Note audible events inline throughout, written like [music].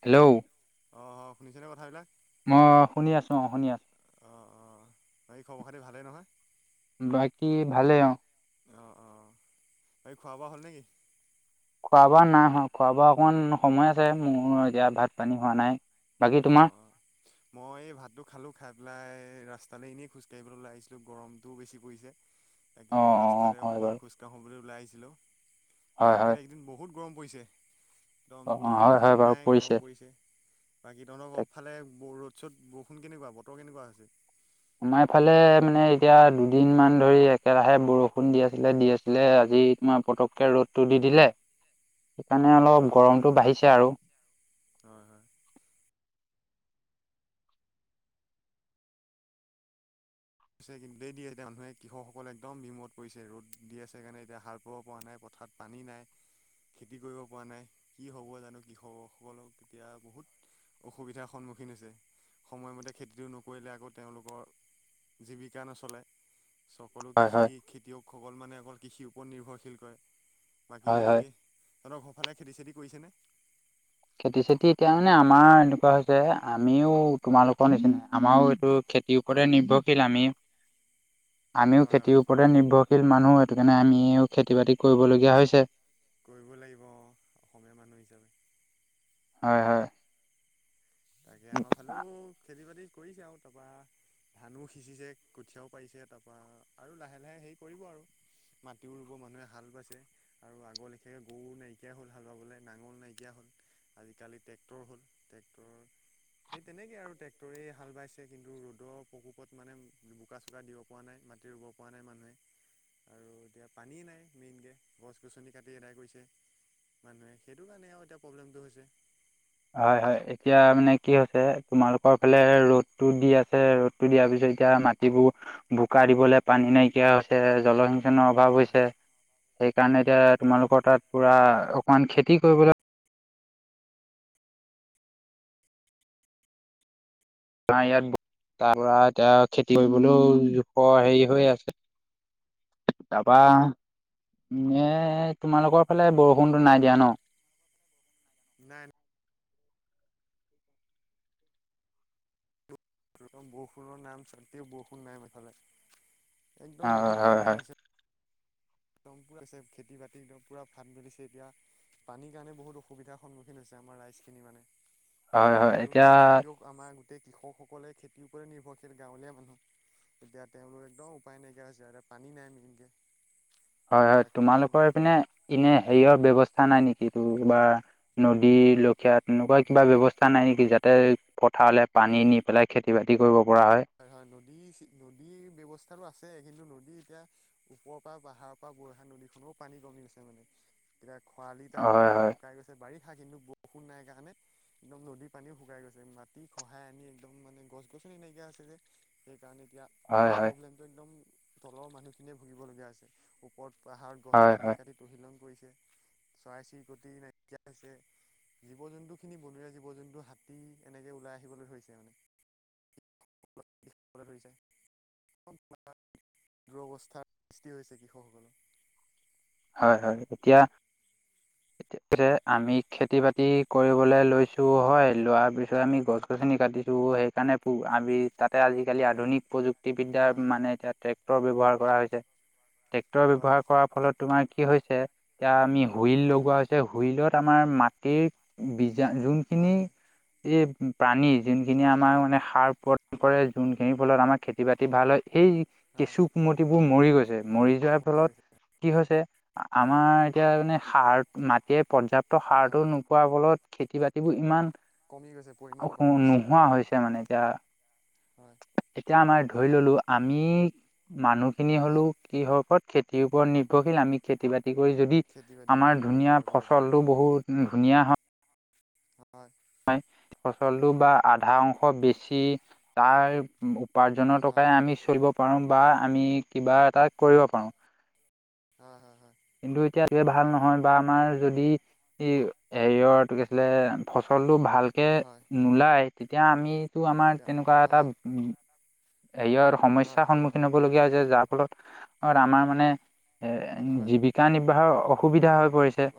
Hello অ হয় শুনিছেনে কথাবিলাক ম শুনি আছো অ শুনি আছো অঁ অঁ ব এই খবৰ খাতি ভালেই নহয়। বাকী ভালে অ অঁ অঁ এইী খোৱা বোৱা হ'ল নেকি। খোৱা বোৱা নাই খোৱা বোৱা অকমান সময় আছে মোৰ এতিয়া ভাত পানী হোৱা নাই বাকী অ তোমাৰ মই এই ভাতটো খালো খাই পেলাই ৰাস্ত তালে এনেই খোজকাঢ়িবলৈ ওাই আহিছিলো গৰমটোও বেছি পৰিছে তাকে অ বোলো অ অ ৰাস্তাৰে হয় অকণমান বাৰু খোজ কাঢ়িবলৈ ওলাই আহিছিলোঁ হয় আফালে হয় একদিন বহুত। গৰম পৰিছে একদম অ অ বৰষুণ হয় হয় জৰষুণ বাৰু নাই গৰম পৰিছে বাকী তহঁতৰ তাক অফালে ৰ'দ চ'দ বৰষুণ কেনেকুৱা বতৰ কেনেকুৱা আছে সোমাই ফালে মানে এতিয়া দুদিন মান ধৰি একেৰাহে বৰষুণ দি আছিলে দি আছিলে আজি। তোমাৰ পতককে ৰ'দটো দি দিলে হ সেইকাৰণে অলপ গৰমতটো বাঢ়িছে আৰু হয় হয়। েই দিয়ে এতিয়া মানুহে কৃষসকলে একদম বিমত পৰিছে ৰ'দ দি আছে সেইণ এতিয়া সাৰ পাব পৰা নাই ক ঠাত পানী নাই খেতি কৰিব পৰা নাই কি হ'ব জানো কৃষকসকলক তেতিয়া বহুত। অসুবিধাৰ সন্মুখীন হৈছে সময়মতে খেতিটো নকৰিলে আকৌ তেওঁলোকৰ। জীৱিকা নচলে সকলো হয় কৃষি হয় খেতিয়কসকল মানে অকল কৃষিও ওপৰত নিৰ্ভৰশীল কৰে বাকী হয় হয় সিহঁতক সৰফালে খেতি চেতি কৰিছেনে খেতি চেতি এতিয়া মানে আমাৰ এনেকুৱা হৈছে আমিও তোমালোকৰ নিচিনা আমাৰও এইটো। খেতিৰ ওপৰে নিৰ্ভৰশীল আমি। [unintelligible] আমিও খেতিৰ হয় ওপৰতে নিৰ্ভৰশীল মানুহ সেইটো কাৰণে আমিও খেতি বাতি কৰিবলগীয়া হৈছে কৰিব লাগিব অ অসমীয়া মানুহ হিচাপে হয় হয় তাকে আমাৰ ফালেও খেতি বাতি কৰিছে আৰু তাৰপা ধানো সিঁচিছে কঠীয়াও পাৰিছে তাৰপা আৰু লাহে লাহে হেৰি কৰিব আৰু মাটিও ৰুব মানুহে হাল বাইছে আৰু আগ লেখীয়াকৈ গৰু নাইকিয়া হল হাল বাবলৈ নাঙল নাইকিয়া হল আজিকালি ট্ৰেক্টৰ হ'ল ট্ৰেক্টৰ। সেই তেনেকে আৰু ট্ৰেক্টৰে হাল বাইছে কিন্তু ৰ'দৰ প্ৰকোপত মানে বোকা চোকা দিব পৰা নাই মাটিৰ ব পৰা নাই মানুহে আৰু এতিয়া পানী নাই মেইনকে গছ গছনি কাটি এদাই কৈছে মানুহে সেইটো কাৰণে আৰু এতিয়া প্ৰব্লেমটো হৈছে হয় হয় এতিয়া মানে কি হৈছে তোমালোকৰ ফালে ৰ'দ টো দি আছে ৰ'দটো দিয়াৰ পিছত এতিয়া মাটিবোৰ বোকা দিবলৈ পানী নাইকিয়া হৈছে জলসি। অভাৱ হয় হৈছে সেইকাৰণে এতিয়া হয় তোমালোকৰ তাত পুৰা অকমান খেতি কৰিবলৈ ত ইয়াৰ তাৰ পৰা এতিয়া খেতি কৰিবলৈও জোখ হেৰি হৈ আছে তা পা এ তোমালোকৰ ফালে বৰষুণটো নাই দিয়া ন নাই নাই বৰষুণৰ নাম চান্তে বৰষুণ নাই ম এফালে হয় একদম বহুত হয় হয় প্ৰব্লেম হৈছে একদম পুৰা খেতি বাতি একদম পূৰা ফাত মেলিছে এতিয়া পানীৰ কাৰণে বহুত অসুবিধাৰ সন্মুখীন হৈছে আমাৰ ৰাইজখিনি মানে আৰু হয় হয় যিহেতু এতিয়া খেতিয়ও আমাৰ তেই কৃষকসকলে খেতিৰ ওপৰত নিৰ্ভৰশীল গাঁৱলীয়া মানুহ এতিয়া তেওঁলোক একদম উপায় নাইকিয়া হৈছে ইতে পানী নাই মিনকে হয় হয় তোমালোকৰ পিনে এনে হেৰিয়ৰ ব্যৱস্থা নাই নেকি এইটো বা নদী লখিয়া তেনেকুৱা কিবা ব্যৱস্থা নাই নেকি যাতে পথাৰলৈ পানী নি পেলাই খেতি বাতি কৰিব হয় হয় নদী নদীৰ ব্যৱস্থাতো আছে কিন্তু নদী যদি এতিয়া ওপৰৰ পৰা পাহাৰৰ পৰা বৈহা নদীখনৰও পানী কমি আছে মানে তেতিয়া খৰালি পাই হয় পুৰা হয় শুকাই গৈছে বাৰী থা কিন্তু বৰষুণ নাই কাৰণে একদম নদীৰ পানীও শুকাই গৈছে মাটি খহাই আনি একদম মানে গছ গছনি নাইকিয়া আছিল যে সেইকাৰণে এতিয়া হয় মানে হয় প্ৰব্লেমটো একদম তলৰ মানুহখিনিয়ে ভুগিব লগগীয়া আছে ওপৰত পাহাৰত গছ হয় গছনি হয় কাটি তহিলং কৰিছে। চৰাই চিৰিকটি নাইকিয়া হৈছে। জীৱ জন্তু খিনি বনৰীয়া জীৱ জন্তু হাতী এনেকে ওলাই আহিবলৈ ধৰিছে মানে। [unintelligible] যায় দুৰৱস্থাৰ সৃষ্টি হৈছে কৃষকসকলৰ। হয় হয় এতিয়া এতিয়া। পিছে আমি খেতি বাতি কৰিবলৈ লৈছো হয় লোৱাৰ পিছত আমি গছ গছনি কাটিছো। সেইকাৰণে আমি তাতে আজিকালি আধুনিক প্ৰযুক্ত বিদ্যাৰ হয় হয় মানে এতিয়া ট্ৰেক্টৰ ব্যৱহাৰ কৰা হৈছে। ট্ৰেক্টৰ হয় হয় ব্যৱহাৰ কৰাৰ ফলত তুমাৰ কি হৈছে এতিয়া আমি হুইল হয় হৈছে হুইলত আমাৰ মাটিৰ বীজা যোনখিনি এই প্ৰাণী যোনখিনি আমাৰ হয় মানে সাৰ উপৰত কৰে যোনখিনিৰ ফলত আমাৰ খেতি বাতি ভাল হয়। সেই হয় হয় কেঁচু কুমতিবোৰ মৰি গৈছে মৰি যোৱাৰ ফলত কি হৈছে আমাৰ এতিয়া মানে সাৰ মাটিয়ে পৰ্যাপ্ত হয় সাৰটো নোপোৱাৰ ফলত খেতি বাতিবোৰ ইমান কমি গৈছে পৰিমাণ কমি গৈছে নোহোৱা হৈছে মানে এতিয়া হয় এতিয়া আমাৰ ধৰি সেয়া ললো আমি মানুহ খিনি হয় হ'লেও কিহৰ ওপৰত খেতিৰ ওপৰত নিৰ্ভৰশীল আমি খেতি বাতি খেতি কৰি যদি খেতি বাতি কৰি আমাৰ জীৱন ধুনীয়া নিৰ্বাহ কৰিব লাগিব ফচলটো বহুত ধুনীয়া হয়। হয় ফচলটো বা আধা অংশ বেছি তাৰ উপাৰ্জনৰ টক হয় আমি চলিব পাৰো বা আমি কিবা এটা কৰিব পাৰো। হয় হয় হয়। কিন্তু এতিয়া এই ভাল নহয় বা আমাৰ যদি হেৰিয়ৰ কি অছিলে ফচলৰ টো ভালকে হয় হয় নোলাই তেতিয়া আমিটো আমাৰ এতিয়া তেনেকুৱা এটা হয় হেৰি আৰু হয় সমস্যাৰ হয় হয় সন্মুখীন হব লগীয়া হৈছে যাৰ ফলত আমাৰ মানে এ জীৱিকা নিৰ্বাহৰ অসুবিধা হয়।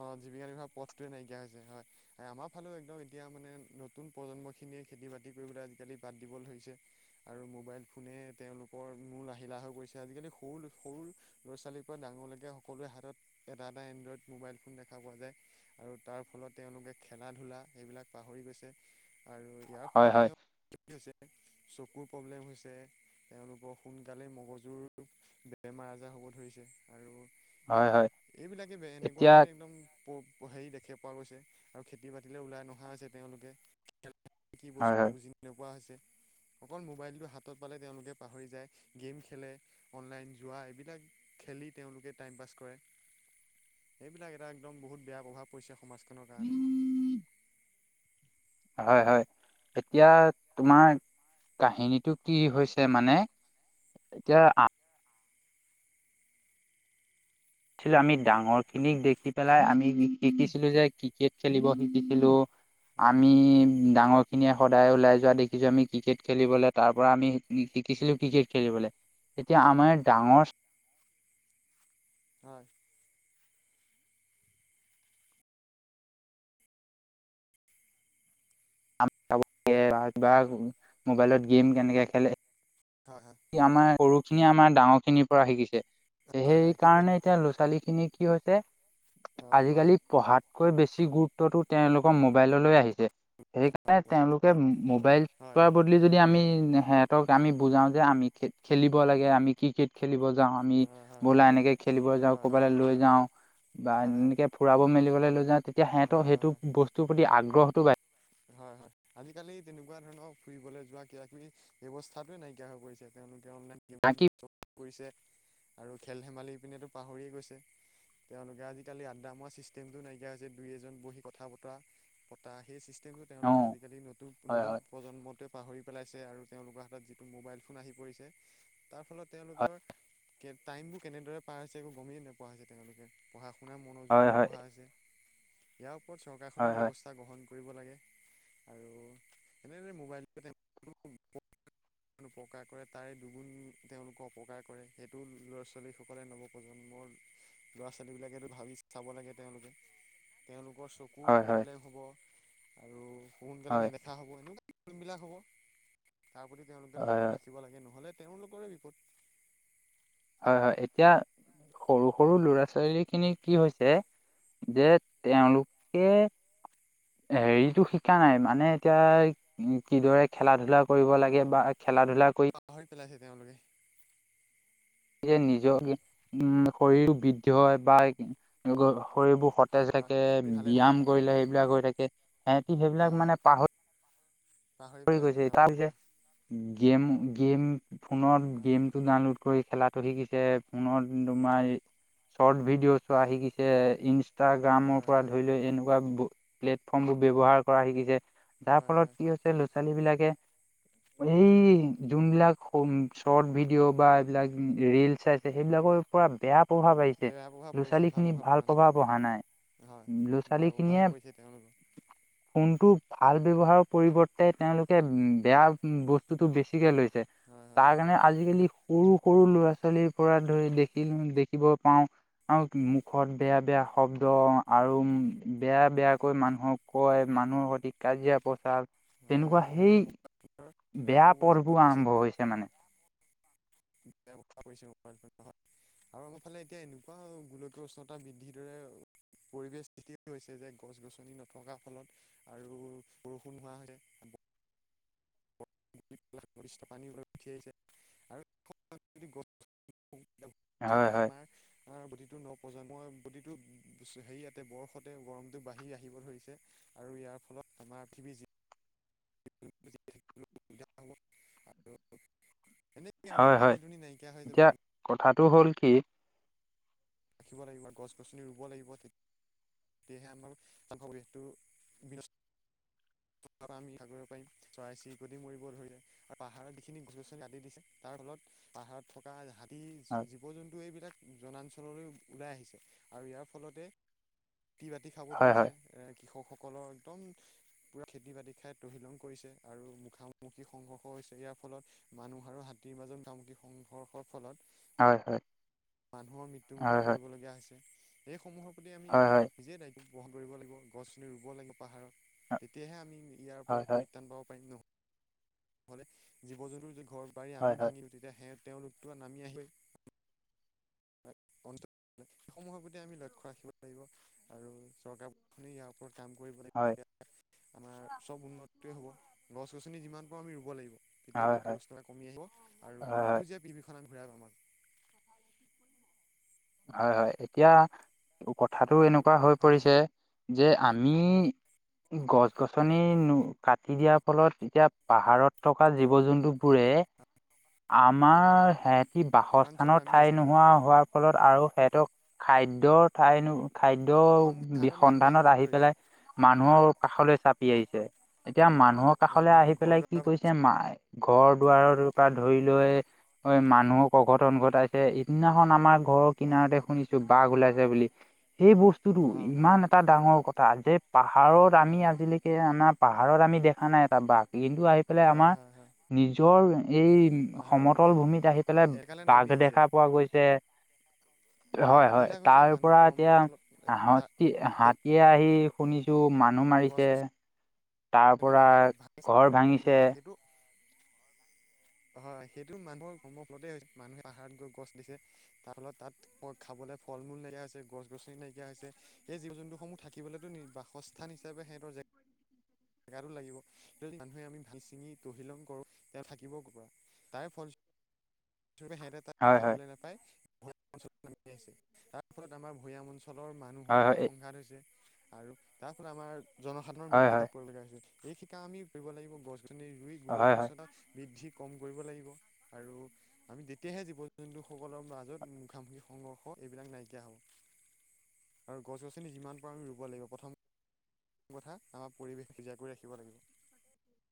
অ জীৱিকা নিৰ্বাহৰ পথটোৱে নাইকিয়া হৈছে হয় আমাৰ ফালে একদম এতিয়া মানে নতুন প্ৰজন্ম খিনিয়ে খেতি বাতি কৰিবলৈ আজিকালি বাদ দিব ধৰিছে। আৰু মোবাইল ফোনে তেওঁলোকৰ মুল আহিলাহ হৈ পৰিছে আজিকালি সৰু সৰু ল'ৰা ছোৱালীৰ পৰা ডাঙৰলৈকে সকলোৱৰে হাতত এটা এটা এনড্ৰইড মোবাইল ফোন দেখা পোৱা যায় আৰু তাৰ ফলত তেওঁলোকে খেলা ধূলা সেইবিলাক পাহৰি গৈছে। আৰু ইয়াৰ হয় ফলত হয় তেওঁ [unintelligible] হৈছে চকুৰ প্ৰব্লেম হৈছে। তেওঁলোকৰ সোনকালে মগজুৰ বেমাৰ আজাৰ হব ধৰিছে। আৰু হয় হয়। এইবিলাকে এনেকুৱা এতিয়া মানে একদম হেৰি দেখি পোৱা গৈছে আৰু খেতি বাতিলৈ ওলাই নহা হৈছে তেওঁলোকে। কি বস্তু হয় হয় বুজি নোপোৱা হৈছে। অকল মোবাইলটো হাতত পালে তেওঁলোকে পাহৰি যায়। গেম খেলে, অনলাইন জোৱা এইবিলাক খেল তেঁওলোকে টাইম পাছ কৰে। সেইবিলাক এটা একদম বহুত বেয়া প্ৰভাৱ পৰিছে সমাজখনৰ কাৰণে। হয় হয়। এতিয়া তোমাৰ কাহিনীটো কি হৈছে মানে এতিয়া আমি ডাঙৰ খিনিক দেখি পেলাই আমি শিকিছিলো যে ক্ৰিকেট খেলিব শিকিছিলো। হয় আমি ডাঙৰখিনিয়ে সদায় ওলাই যোৱা দেখিছোঁ আমি, ক্ৰিকেট খেলিবলে তাৰ পৰা আমি শিকিছিলোঁ ক্ৰিকেট খেলিবলে। তেতিয়া হয় আমাৰ ডাঙৰ হয়। [unintelligible] বা মোবাইলত গেম কেনেকে খেলে? হয় হয় আমাৰ সৰুখিনিয়ে আমাৰ ডাঙৰ খিনিৰ পৰা শিকিছে, হয় সেই হয় কিন্তু কাৰণে এতিয়া ল'ৰা ছোৱালী খিনিক কি হৈছে হয় আজিকালি পঢ়াতকৈ বেছি গুৰুত্বটো তেওঁলোকৰ মোবাইললৈ আহিছে। সেইকাৰণে হয় তেওঁলোকে মোবাইল হয় চোৱা হয় বদলি যদি আমি সিহঁতক আমি বুজাও যে যে আমি খেলিব লাগে আমি ক্ৰিকেট খেলিব যাওঁ আমি হয় হয় হয় বলা এনেকে খেলিব যাওঁ হয় ক'বালৈ হয় হয় হয় লৈ যাওঁ বা হয় হয় এনেকে ফুৰাব মেলিবলৈ লৈ যাওঁ তেতিয়া সিহঁতৰ হয় সেইটো হয় বস্তুৰ প্ৰতি আগ্ৰহটো বাঢ়ি হয় হয়। আজিকালি তেনেকুৱা ধৰণৰ ফুৰিবলৈ যোৱা কিবা কিবি ব্যৱস্থাটোয়ে নাইকিয়া হৈ পৰিছে। তেওঁলোক এতিয়া অনলাইন গেম কি খেলিব ধৰিছে, আৰু খেল ধেমালি পিনেতো পাহৰিয়ে গৈছে। তেওঁলোকে আজিকালি আড্ডা মৰা চিষ্টেমটো নাইকিয়া হৈছে, দুই এজন বহি কথা বতৰা পতা। সেই চষ্টম কিন্তু অ তেওঁলোকে আজিকালি নতুন হয় নতুন হয় প্ৰজন্মতে পাহৰি পেলাইছে আৰু তেওঁলোকৰ হাতত যিটো মোবাইল ফোন আহি পৰিছে তাৰ ফলত তেওঁলোকৰ কে টাইম বোৰ কেনেদৰে পাৰ হৈছে। একো গমেই নোপোৱা হৈছে তেওঁলোকে। পঢ়া শুনাত মনোযোগ হয় হয় নবহা হৈছে, ইয়াৰ ওপৰত হয় চৰকাৰখনেও হয় ব্যৱস্থা গ্ৰহণ কৰিব লাগে। আৰু এনেদৰে মোবাইল [unintelligible] উপকাৰ কৰে তাৰে দুগুণ তেওঁলোকৰ অপকাৰ কৰে সেইটো ল'ৰা ছোৱালীসকলে নৱপ্ৰজন্ম মৰ ল'ৰা ছোৱালীবিলাকেতো ভাবি চাব লাগে তেওঁলোকে। তেওঁলোক ৰ চকু হয় হয় প্ৰব্লেম হব, আৰু সোনকালে হয় হয় নেদেখা হ'ব সেনেকোৱাই বিলাক হ'ব তাৰ প্ৰতি তেওঁলোকে হয় লক্ষ্য ৰাখিব লাগে নহ'লে তেওঁলোকৰে বিপদ। এ এতিয়া সৰু সৰু ল'ৰা ছোৱালী খিনি কি হৈছে যে তেওঁলোকে হেৰিটো শিকা নাই মানে এতিয়া কিদৰে খেলা ধূলা কৰিব হয় লাগে হয় বা খেলা ধূলা কৰি পাহৰি পেলাইছে তেওঁলোকে। নিজৰ উম শৰীৰ বৃদ্ধি হয় বা গ শৰীৰবোৰ হয় সতেজ হয় থাকে, ভালে থাকে ব্যায়াম কৰিলে সেইবিলাক হৈ থাকে। সিহঁতি সেইবিলাক হয় হয় মানে পাহৰি পাহৰি পেলাইছে গৈছে। তেওঁলোকে হয় তাৰপাছত গেম গেম ফোনত হয় গেমটো ডাউনলোড কৰি খেলাটো শিকিছে। ফোনত তোমাৰ চৰ্ট ভিডিঅ' ছোৱা হয় হিকিছে। হয় ইনষ্টাগ্ৰামৰ হয় পৰা হয় ধৰি লৈ এনেকুৱা প্লেটফৰ্মবোৰ ব্যৱহাৰ কৰা শিকিছে, যাৰ হয় ফলত হয় কি হৈছে ল'ৰা ছোৱালী বিলাকে এই যোনবিলাক চৰ্ট ভিডিঅ' বা এইবিলাক ৰিল্চ চাইছে সেইবিলাক ৰ পৰা বেয়া প্ৰভাৱ আহিছে। বেয়া প্ৰভাৱ ল'ৰা পৰিছে ছোৱালী খিনি পৰা ভাল নাই প্ৰভাৱ অহা নাই। হয়, বেয়া প্ৰভাৱে পৰিছে তেওঁলোকৰ। ফোন টো ভাল ব্যৱহাৰৰ পৰিৱৰ্তে তেওঁলোকে বেয়া বস্তুটো বেছিকৈ লৈ তাৰ হয় হয় কাৰণে আজিকালি সৰু সৰু ল'ৰা ছোৱালীৰ পৰা ধৰি দেখিল দেখিব পাওঁ আৰু মুখত বেয়া, বেয়া শব্দ আৰু বেয়া বেয়াকৈ মানুহক কয়। মানুহৰ সঠিক কাজিয়া পচাৰ হয় হয় তেনেকুৱা হয় সেই তেওঁলোকে মোবাইলৰ এটা বেয়া পৰ্বোৰ আৰম্ভ হৈছে মানে। [inaudible] [unintelligible] আৰু‌ আমাৰ ফালে এতিয়া এনেকুৱা গোলকীয় উষ্ণতা বৃদ্ধিৰ দৰে পৰিবেশ [unintelligible] হৈছে যে গছ গছনি নথকাৰ ফলত আৰু বৰষুণ হোৱা [unintelligible] [unintelligible] তাৰপিছতে আমাৰ বডিটো ন প্ৰজন্মৰ হয় প্ৰতিটো হয় হেৰিয়াতে বৰফতে গৰমটো বাঢ়ি আহিব ধৰিছে আৰু ইয়াৰ ফলত আমাৰ পৃথিৱীৰ য আৰু [unintelligible] এনেকে মানে পানী দুনি নাইকিয়া হৈ যাব। টো হ'ল কি? ৰাখিব লাগিব। গছ গছনি ৰুব লাগিব। তে সেয়েহে আমাৰ চাফা পৰিবেশটো বিন অ [unintelligible] তাৰ আমি আগৰিব পাৰিম। চৰাই-চিৰিকটি মৰিব ধৰিলে আৰু পাহাৰত যিখিনি গছ গছনি কাটি দিছে, তাৰ ফলত পাহাৰত থকা হয় জীৱ-জন্তু এইবিলাক জনাঞ্চললৈ ওলাই আহিছে, আৰু ইয়াৰ ফলতে খেতি-বাতি খাব হয় হয় ধৰিছে, কৃষকসকলৰ একদম পুৰা খেতি-বাতি খাই তহিলং কৰিছে, আৰু মুখামুখি সংঘৰ্ষ হৈছে। ইয়াৰ ফলত মানুহ আৰু হাতীৰ কেইবাজন কামুকি সংঘৰ্ষৰ ফলত হয়, হয়। মানুহৰ মৃত্যু মুুখত হয় হয় পৰিব লগীয়া হৈছে। এইসমূহৰ প্ৰতি আমি হয় হয় নিজেই দায়িত বহন কৰিব লাগিব, গছ-গছনি ৰুব লাগিব পাহাৰত। তেতিয়াহে আমি ইয়াৰ হয় পৰা হয় হয় পৰিত্ৰাণ পাব পাৰিম নহ। নহ'লে জীৱ-জন্তুৰ যদি ঘৰ-বাৰি হয় আমি হয় ভাঙি দিওঁ তেতিয়া সে তেওঁলোকটো নামি আহিবই। হয়। অ সেইসমূহৰ প্ৰতি আমি লক্ষ্য ৰাখিব লাগিব, আৰু চৰকাৰ খনে ইয়াৰ ওপৰত কাম কৰিব লাগিব, তেতিয়া আমাৰ চব উন্নতি হ'ব। গছ-গছনি যিমান পাৰোঁ আমি ৰুব লাগিব। তেতিয়া হয় হয় ল ব্যস্থ [unintelligible] এটা কমি আহিব আৰু হয় হয় সেউজীয়া পৃথিৱীখন আমি ঘূৰাই পাম আৰু। হয়-হয়, এতিয়া কথাটো এনেকুৱা হৈ হয় পৰিছে যে আমি গছ-গছনি ন কাটি দিয়াৰ ফলত এতিয়া পাহাৰত থকা জীৱ-জন্তুবোৰে ৰে আমাৰ হে সি জনাঞ্চলত বাসস্থানৰ নামি ঠাই আহিছে হয় নোহোৱা হোৱাৰ ফলত আৰু সিহঁতক খাদ্যৰ ঠাই নোহো খাদ্যৰ বি সন্ধানত নামি আহিব সন্ধানত আহি ধৰিছে পেলাই মানুহৰ কাষলৈ চাপি আহিছে। এতিয়া মানুহৰ কাষলৈ মানুহৰ আহি ঘৰ পেলাই কি দুৱাৰ কৰিছে মা ঘৰ দুৱাৰৰ পৰা ধৰি লৈ মানুহক অঘটন ঘটাইছে। ইদিনাখন আমাৰ ঘৰৰ হয় হয় কিনাৰতে শুনিছো। বাঘ ওলাইছে বুলি, সেই বস্তুটো অ হয় ইমান এটা ডাঙৰ কথা যে পাহাৰত আমি হয় আজিলৈকে আমাৰ পাহাৰত আমি দেখা নাই এটা বাঘ। কিন্তু আহি পেলাই হয় আমাৰ হয় হয় নিজৰ এই পাহাৰত সমতল ভূমিত আহি পেলাই একালে বাঘ নামি আহিছে দেখা পোৱা গৈছে। আহ হয়, হয়। সেইবিলাক হৈছে তাৰ মানুহ পৰা কৰ্মৰ এতিয়া ফলত আহ তাৰ সেই হাতী-হাতীয়ে আহি শুনিছো মানুহ গছ মাৰিছে। তাৰ গছনি পৰা ঘৰ ভাঙিছে হয় সেইটো [unintelligible] হয়, সেইটো মানুহৰ কৰ্মৰ ফলতে হৈছে মানুহে পাহাৰত গৈ গছ দিছে তাৰ ফলত তাত খাব- লে ফল মূ নাইকিয়া হৈছে, গছ গছনি নাইকিয়া হৈছে, সেই জীৱ জন্তুসমূহ থাকিবলেতো বাসস্থান হিচাপে- সেটৰজে। জেগাটো লাগিব, যদি মানুহে আমি ভাঙি চিঙি তহিলং কৰোঁ তে থাকিব কৰপৰা। তাই ফল- সিহঁতে তাত হয় হয় খাবলৈ নাপায় ভঞ্চ আহ তাৰ ফলত আমাৰ ভূঞা অঞ্চল অঞ্চলৰ মানুহৰ হয় হয় মাজত সংঘাত হৈছে, আৰু তাৰ ফলত আমাৰ জনসাধাৰণৰ হয় হয় মৃত্যু মুখত হয় পৰিব লগা হৈছে। এই শিকা আমি কৰিব লাগিব গছ গছনি ৰুই হয় হয়। গোলকীয়চতা বৃদ্ধি। কম কৰিব লাগিব আৰু- আমি তেতিয়াহে জীৱ -জন্তু সকলৰ মাজত মুখামুখি সংঘৰ্ষ এইবিলাক নাইকিয়া হ'ব। আৰু গছ গছনি যিমান পাৰোঁ আমি ৰুব লাগিব, প্ৰথম- কথা আমাৰ পৰিৱেশ সিজা কৰি ৰাখিব লাগিব।